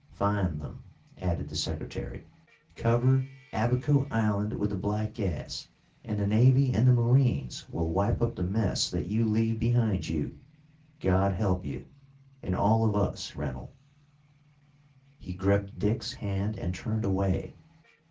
"Find them," added the Secretary; "cover Abaco Island with the black gas, and the navy and the marines will wipe up the mess that you leave behind you. God help you and all of us, Rennell!" He gripped Dick's hand and turned away.